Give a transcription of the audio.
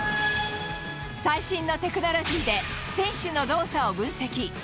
最新のテクノロジーで、選手の動作を分析。